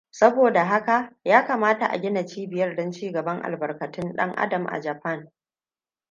Saboda da haka, yakamata a gina cibiyar don cigaban albarkatun ɗan adam a Japan.